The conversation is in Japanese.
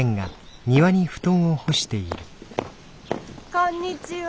こんにちは。